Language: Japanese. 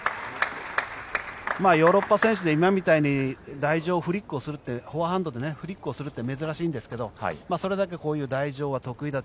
ヨーロッパ選手で今みたいに台上でフォアハンドでフリックをするって珍しいんですけどそれだけこういう台上は得意だと。